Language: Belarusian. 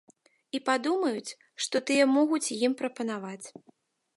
І падумаюць, што тыя могуць ім прапанаваць.